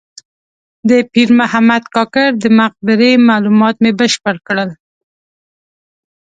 د پیر محمد کاکړ د مقبرې معلومات مې بشپړ کړل.